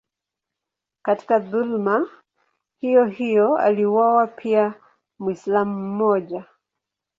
Katika dhuluma hiyohiyo aliuawa pia Mwislamu mmoja.